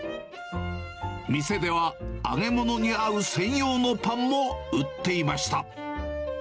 店では揚げ物に合う専用のパンも売っていました。